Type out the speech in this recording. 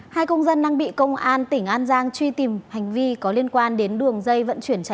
hai công dân đang bị công an tỉnh an giang truy tìm hành vi có liên quan đến đường dây vận chuyển trái phép